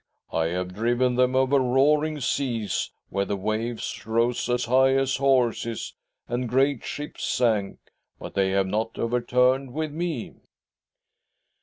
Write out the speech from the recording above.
I have driven them over roaring seas, where the waves rose as high as horses, and great ships sank, but they have not overturned with me."